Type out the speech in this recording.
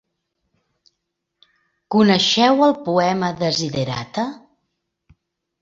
Coneixeu el poema Desiderata?